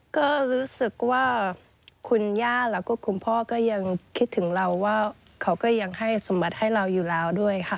ก็รู้สึกว่าคุณย่าแล้วก็คุณพ่อก็ยังคิดถึงเราว่าเขาก็ยังให้สมบัติให้เราอยู่แล้วด้วยค่ะ